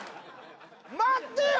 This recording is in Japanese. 待ってよ！